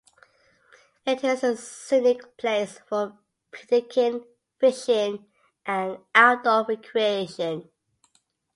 It is a scenic place for picnicking, fishing and outdoor recreation.